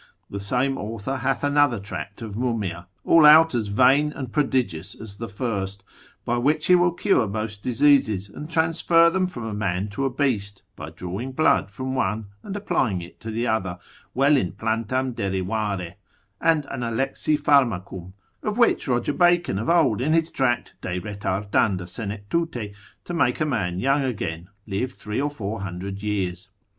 The same author hath another tract of Mumia (all out as vain and prodigious as the first) by which he will cure most diseases, and transfer them from a man to a beast, by drawing blood from one, and applying it to the other, vel in plantam derivare, and an Alexi pharmacum, of which Roger Bacon of old in his Tract. de retardanda senectute, to make a man young again, live three or four hundred years.